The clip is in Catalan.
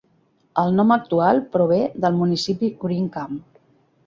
El nom actual prové del municipi Green Camp.